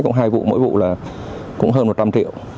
cũng hai vụ mỗi vụ là cũng hơn một trăm linh triệu